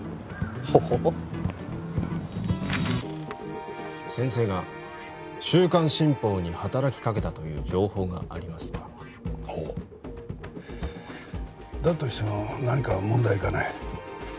ほほ先生が週刊新報に働きかけたという情報がありましたほうだとしても何か問題かね？